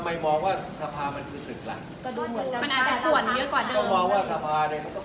แต่นักการเมืองเขาต่อรองเป็นเด็ดนะคะ